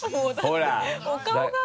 ほら！